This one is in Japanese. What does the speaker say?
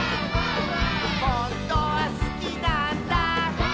「ほんとはすきなんだ」